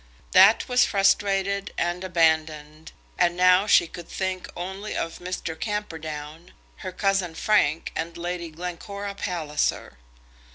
That was frustrated and abandoned, and now she could think only of Mr. Camperdown, her cousin Frank, and Lady Glencora Palliser.